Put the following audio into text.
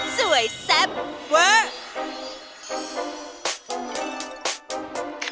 สวยแซ็บเวอร์